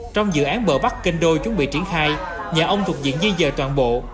trong dự án bờ bắc kênh đôi chuẩn bị triển khai nhà ông thuộc diện di dời toàn bộ